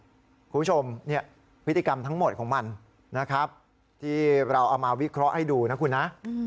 คุณผู้ชมเนี่ยพฤติกรรมทั้งหมดของมันนะครับที่เราเอามาวิเคราะห์ให้ดูนะคุณนะ